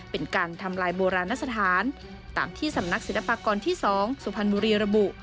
เป็นการทำลายโบราณสถานตามที่สำนักศิลปากรที่๒สุพรรณบุรีระบุ